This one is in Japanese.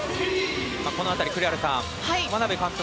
この辺り、栗原さん眞鍋監督